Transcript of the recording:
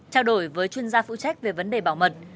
trao đổi với chuyên gia phụ trách về vấn đề bảo mật